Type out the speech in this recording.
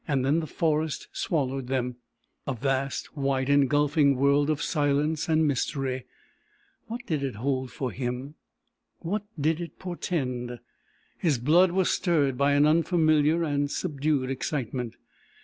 Then the forest swallowed them a vast, white, engulfing world of silence and mystery. What did it hold for him? What did it portend? His blood was stirred by an unfamiliar and subdued excitement.